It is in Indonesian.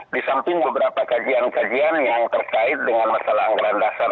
di samping beberapa kajian kajian yang terkait dengan masalah anggaran dasar